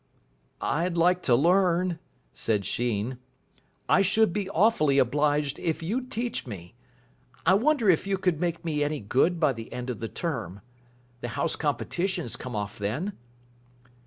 "I'd like to learn," said Sheen. "I should be awfully obliged if you'd teach me. I wonder if you could make me any good by the end of the term. The House Competitions come off then."